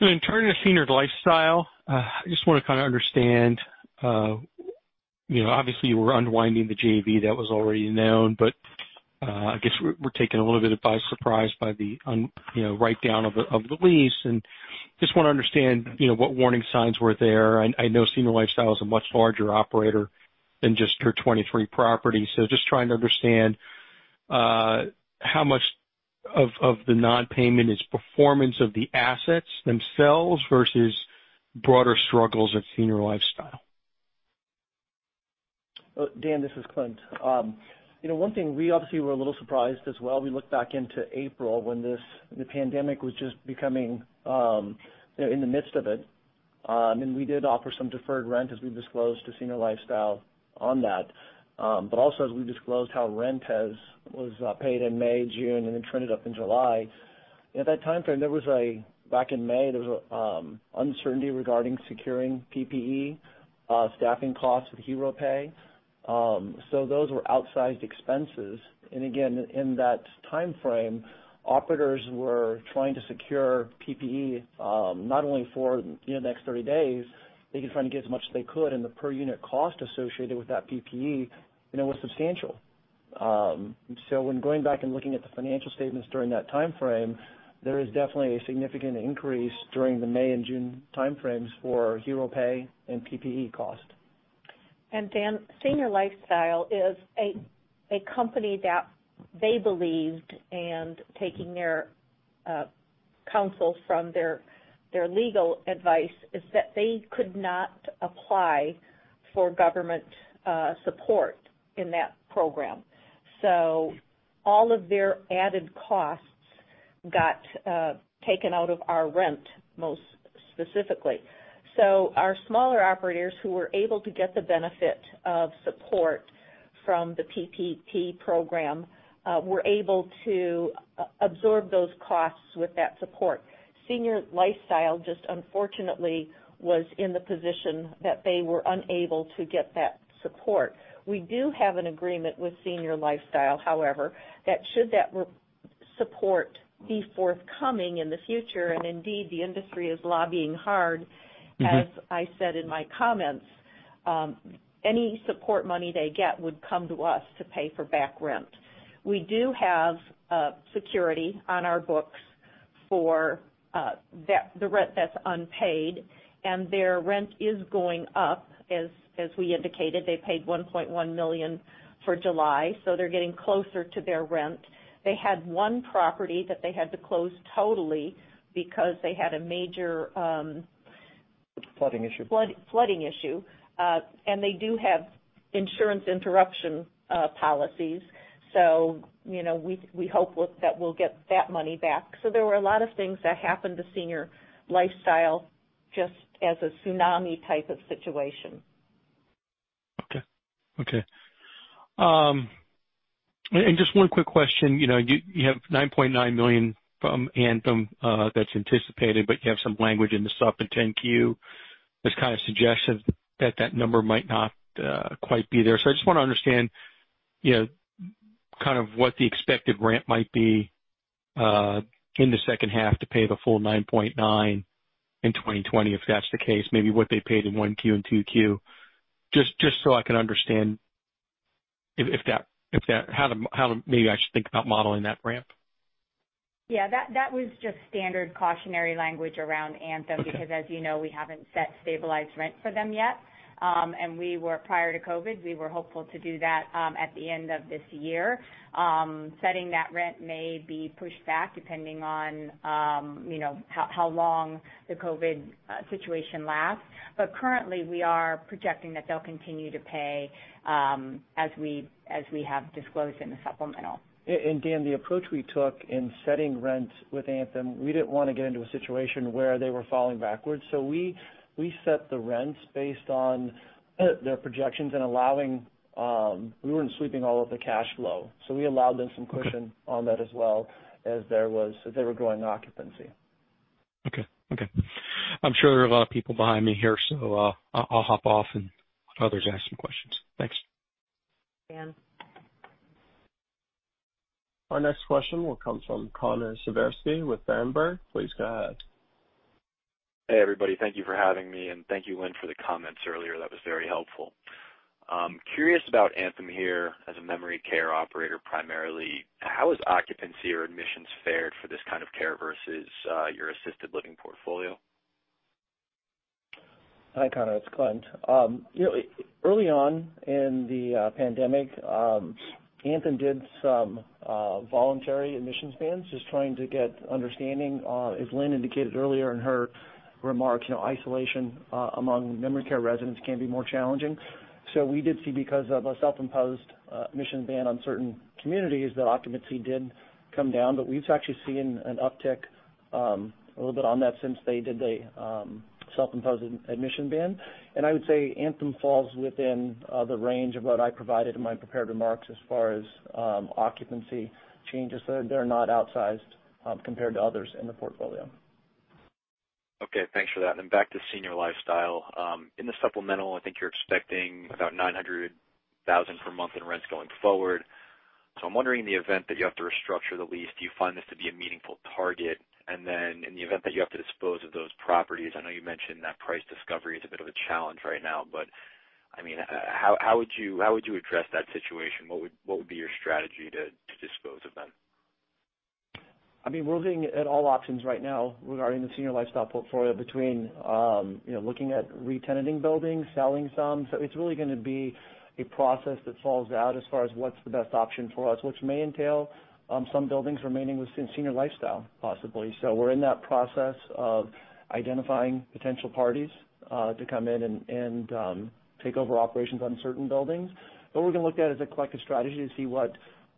Turning to Senior Lifestyle, I just want to kind of understand, obviously you were unwinding the JV. That was already known, but I guess we're taken a little bit by surprise by the write-down of the lease, and just want to understand what warning signs were there. I know Senior Lifestyle is a much larger operator than just your 23 properties, so just trying to understand how much of the non-payment is performance of the assets themselves versus broader struggles at Senior Lifestyle. Dan, this is Clint. We obviously were a little surprised as well. We looked back into April when the pandemic was just in the midst of it. We did offer some deferred rent, as we disclosed to Senior Lifestyle on that. Also as we disclosed how rent was paid in May, June, and then trended up in July. At that timeframe, back in May, there was uncertainty regarding securing PPE, staffing costs with hero pay. Those were outsized expenses. Again, in that timeframe, operators were trying to secure PPE, not only for the next 30 days. They were trying to get as much as they could, and the per unit cost associated with that PPE was substantial. When going back and looking at the financial statements during that timeframe, there is definitely a significant increase during the May and June timeframes for hero pay and PPE cost. Dan, Senior Lifestyle is a company that they believed, and taking their counsel from their legal advice, is that they could not apply for government support in that program. All of their added costs got taken out of our rent, most specifically. Our smaller operators who were able to get the benefit of support from the PPP program were able to absorb those costs with that support. Senior Lifestyle, just unfortunately, was in the position that they were unable to get that support. We do have an agreement with Senior Lifestyle, however, that should that support be forthcoming in the future, and indeed, the industry is lobbying hard. As I said in my comments, any support money they get would come to us to pay for back rent. We do have security on our books for the rent that's unpaid, their rent is going up. As we indicated, they paid $1.1 million for July, they're getting closer to their rent. They had one property that they had to close totally because they had a major- Flooding issue. Flooding issue. They do have insurance interruption policies, so we hope that we'll get that money back. There were a lot of things that happened to Senior Lifestyle, just as a tsunami type of situation. Okay. Just one quick question. You have $9.9 million from Anthem, that's anticipated, but you have some language in the supp and 10-Q that's kind of suggestive that that number might not quite be there. I just want to understand, kind of what the expected ramp might be in the second half to pay the full $9.9 million in 2020, if that's the case, maybe what they paid in 1Q and 2Q. I can understand how maybe I should think about modeling that ramp. Yeah, that was just standard cautionary language around Anthem, because as you know, we haven't set stabilized rent for them yet. Prior to COVID, we were hopeful to do that at the end of this year. Setting that rent may be pushed back depending on how long the COVID situation lasts. Currently, we are projecting that they'll continue to pay, as we have disclosed in the supplemental. Dan, the approach we took in setting rents with Anthem, we didn't want to get into a situation where they were falling backwards. We set the rents based on their projections. We weren't sweeping all of the cash flow. We allowed them some cushion on that as well as they were growing occupancy. Okay. I'm sure there are a lot of people behind me here, so I'll hop off and let others ask some questions. Thanks. Dan. Our next question will come from Connor Siversky with Berenberg. Please go ahead. Hey, everybody. Thank you for having me, and thank you, Lynne, for the comments earlier. That was very helpful. Curious about Anthem here as a memory care operator, primarily. How has occupancy or admissions fared for this kind of care versus your assisted living portfolio? Hi, Connor, it's Clint. Early on in the pandemic, Anthem did some voluntary admissions bans, just trying to get understanding. As Lynne indicated earlier in her remarks, isolation among memory care residents can be more challenging. We did see, because of a self-imposed admissions ban on certain communities, that occupancy did come down. We've actually seen an uptick, a little bit on that since they did the self-imposed admission ban. I would say Anthem falls within the range of what I provided in my prepared remarks as far as occupancy changes. They're not outsized, compared to others in the portfolio. Okay, thanks for that. Back to Senior Lifestyle. In the supplemental, I think you're expecting about $900,000 per month in rents going forward. I'm wondering, in the event that you have to restructure the lease, do you find this to be a meaningful target? In the event that you have to dispose of those properties, I know you mentioned that price discovery is a bit of a challenge right now, but how would you address that situation? What would be your strategy to dispose of them? We're looking at all options right now regarding the Senior Lifestyle portfolio between looking at re-tenanting buildings, selling some. It's really going to be a process that falls out as far as what's the best option for us, which may entail some buildings remaining with Senior Lifestyle, possibly. We're in that process of identifying potential parties to come in and take over operations on certain buildings. We're going to look at it as a collective strategy to see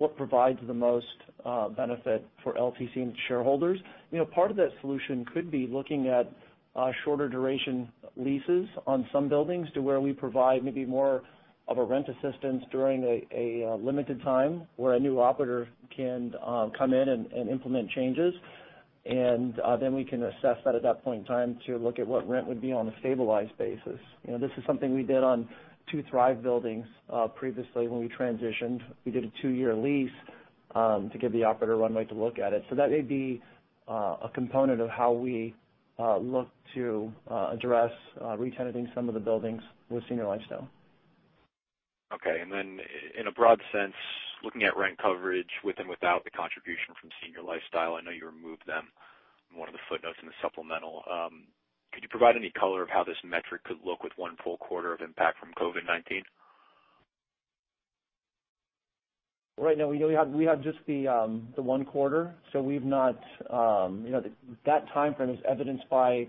what provides the most benefit for LTC and its shareholders. Part of that solution could be looking at shorter duration leases on some buildings to where we provide maybe more of a rent assistance during a limited time where a new operator can come in and implement changes. Then we can assess that at that point in time to look at what rent would be on a stabilized basis. This is something we did on two Thrive buildings previously when we transitioned. We did a two-year lease to give the operator runway to look at it. That may be a component of how we look to address re-tenanting some of the buildings with Senior Lifestyle. Okay. In a broad sense, looking at rent coverage with and without the contribution from Senior Lifestyle, I know you removed them in one of the footnotes in the supplemental. Could you provide any color of how this metric could look with one full quarter of impact from COVID-19? Right now, we have just the one quarter, so that timeframe is evidenced by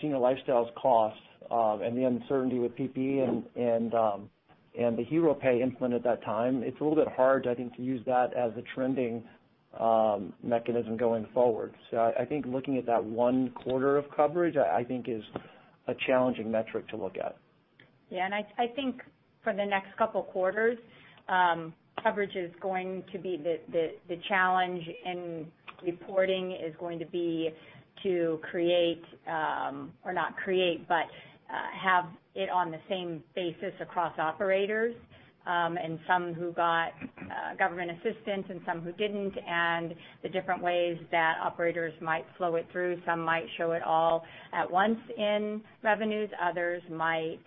Senior Lifestyle's costs, and the uncertainty with PPE and the hero pay implement at that time. It's a little bit hard, I think, to use that as the trending mechanism going forward. I think looking at that one quarter of coverage, I think is a challenging metric to look at. Yeah, and I think for the next couple of quarters, coverage is going to be the challenge, and reporting is going to be to create or not create, but have it on the same basis across operators, and some who got government assistance and some who didn't, and the different ways that operators might flow it through. Some might show it all at once in revenues. Others might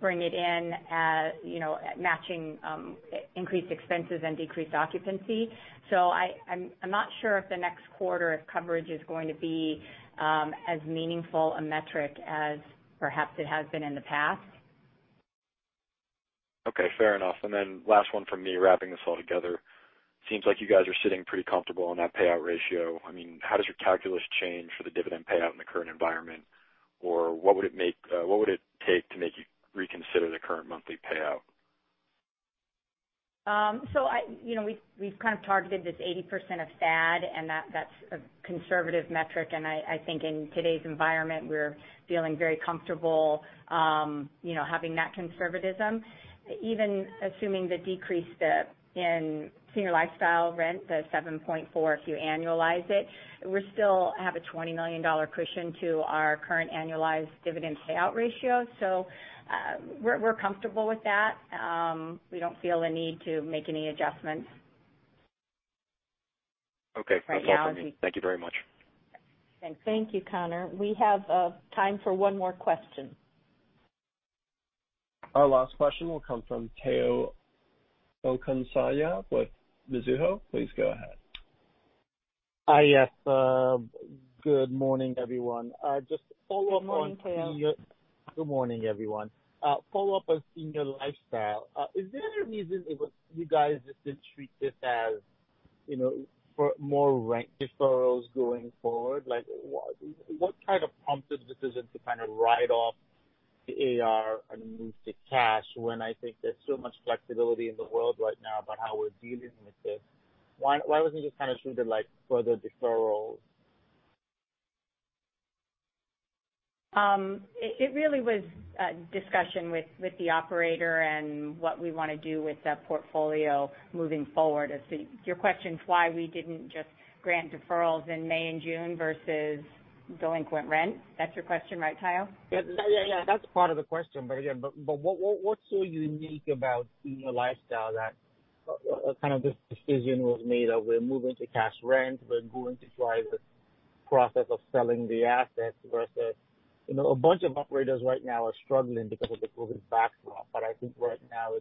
bring it in at matching increased expenses and decreased occupancy. I'm not sure if the next quarter of coverage is going to be as meaningful a metric as perhaps it has been in the past. Okay, fair enough. Last one from me, wrapping this all together. Seems like you guys are sitting pretty comfortable on that payout ratio. How does your calculus change for the dividend payout in the current environment? What would it take to make you reconsider the current monthly payout? We've kind of targeted this 80% of FAD, and that's a conservative metric, and I think in today's environment, we're feeling very comfortable having that conservatism. Even assuming the decrease in Senior Lifestyle rent, the $7.4 million, if you annualize it, we still have a $20 million cushion to our current annualized dividend payout ratio. We're comfortable with that. We don't feel a need to make any adjustments right now. Okay. That's all from me. Thank you very much. Thanks. Thank you, Connor. We have time for one more question. Our last question will come from Tayo Okusanya with Mizuho. Please go ahead. Yes. Good morning, everyone. Just to follow up on- Good morning, Tayo. Good morning, everyone. Follow up on Senior Lifestyle. Is there any reason you guys just didn't treat this as for more rent deferrals going forward? Like, what kind of prompted the decision to kind of write off the AR and move to cash when I think there's so much flexibility in the world right now about how we're dealing with this? Why wasn't it just kind of treated like further deferrals? It really was a discussion with the operator and what we want to do with that portfolio moving forward. I see your question is why we didn't just grant deferrals in May and June versus delinquent rent. That's your question, right, Tayo? Yeah. Again, but what's so unique about Senior Lifestyle that kind of this decision was made of we're moving to cash rent, we're going to drive the process of selling the assets versus a bunch of operators right now are struggling because of the COVID backdrop. I think right now,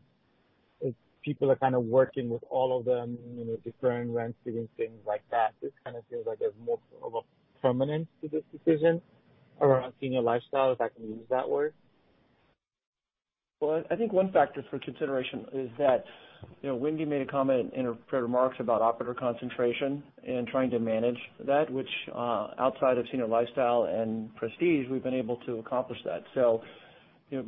it's people are kind of working with all of them, deferring rent, doing things like that. This kind of feels like there's more of a permanence to this decision around Senior Lifestyle, if I can use that word. Well, I think one factor for consideration is that Wendy made a comment in her remarks about operator concentration and trying to manage that, which outside of Senior Lifestyle and Prestige, we've been able to accomplish that.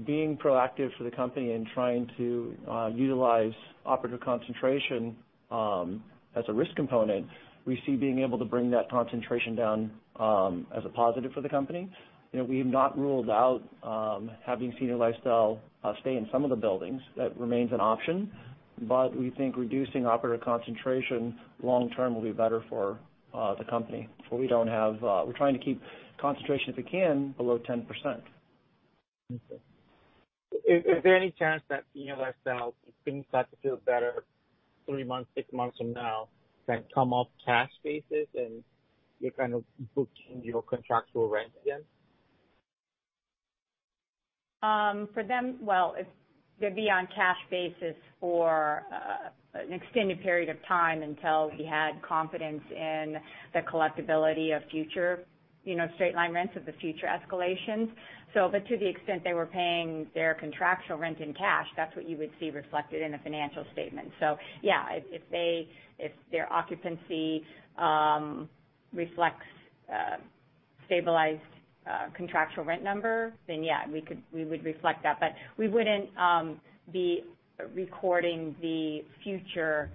Being proactive for the company and trying to utilize operator concentration as a risk component, we see being able to bring that concentration down as a positive for the company. We have not ruled out having Senior Lifestyle stay in some of the buildings. That remains an option, but we think reducing operator concentration long term will be better for the company. We're trying to keep concentration, if we can, below 10%. Okay. Is there any chance that Senior Lifestyle, if things start to feel better three months, six months from now, can come off cash basis and you kind of book your contractual rent again? For them, well, they'd be on cash basis for an extended period of time until we had confidence in the collectibility of future straight line rents of the future escalations. To the extent they were paying their contractual rent in cash, that's what you would see reflected in a financial statement. Yeah, if their occupancy reflects a stabilized contractual rent number, then yeah, we would reflect that. We wouldn't be recording the future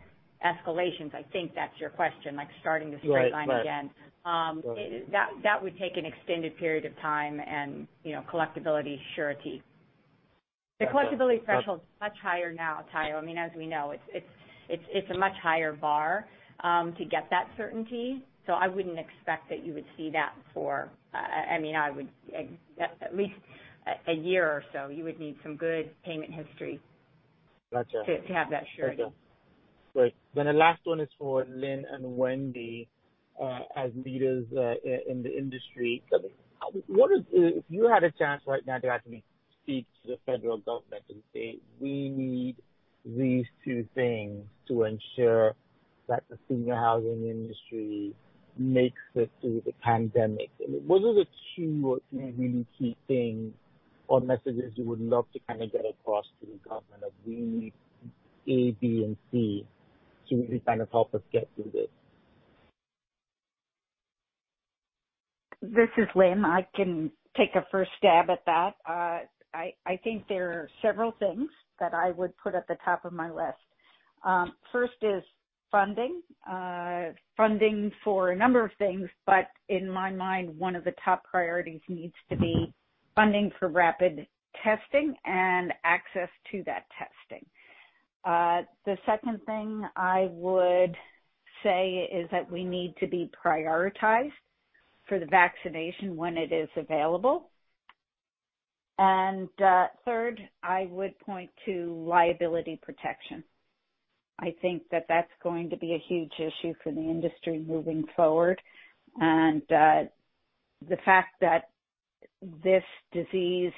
escalations. I think that's your question, like starting the straight line again. Right. That would take an extended period of time and collectibility surety. The collectibility threshold is much higher now, Tayo. As we know, it's a much higher bar to get that certainty. I wouldn't expect that you would see that for at least a year or so. You would need some good payment history. Got you. To have that surety. Great. The last one is for Lynne and Wendy. As leaders in the industry, if you had a chance right now to actually speak to the federal government and say, "We need these two things to ensure that the senior housing industry makes it through the pandemic," what are the two or three really key things or messages you would love to kind of get across to the government, like, "We need A, B, and C to really kind of help us get through this? This is Lynne. I can take a first stab at that. I think there are several things that I would put at the top of my list. First is funding. Funding for a number of things, but in my mind, one of the top priorities needs to be funding for rapid testing and access to that testing. The second thing I would say is that we need to be prioritized for the vaccination when it is available. Third, I would point to liability protection. I think that's going to be a huge issue for the industry moving forward, and the fact that this disease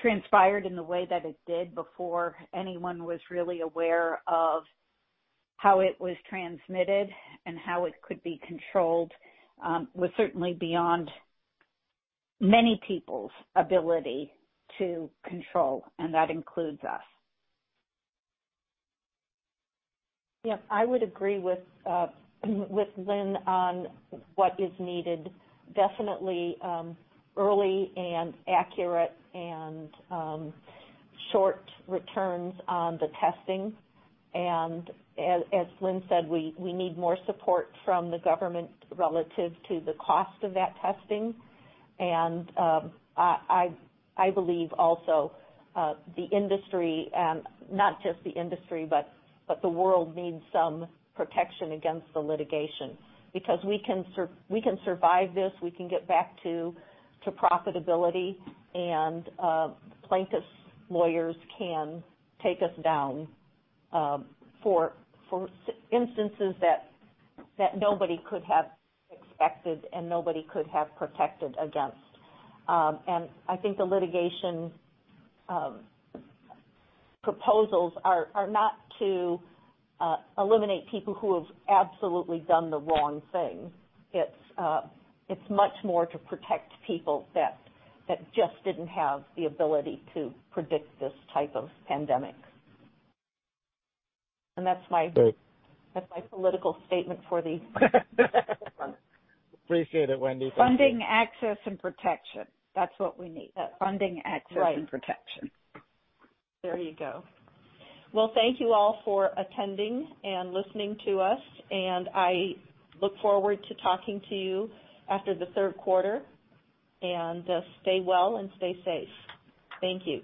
transpired in the way that it did before anyone was really aware of how it was transmitted and how it could be controlled was certainly beyond many people's ability to control, and that includes us. Yep, I would agree with Lynne on what is needed. Definitely early and accurate and short returns on the testing. As Lynne said, we need more support from the government relative to the cost of that testing. I believe also the industry, and not just the industry, but the world needs some protection against the litigation because we can survive this, we can get back to profitability, and plaintiffs' lawyers can take us down for instances that nobody could have expected and nobody could have protected against. I think the litigation proposals are not to eliminate people who have absolutely done the wrong thing. It's much more to protect people that just didn't have the ability to predict this type of pandemic. Great. That's my political statement for the month. Appreciate it, Wendy. Thank you. Funding access and protection. That's what we need. Funding access and protection. There you go. Well, thank you all for attending and listening to us, and I look forward to talking to you after the third quarter. Stay well and stay safe. Thank you.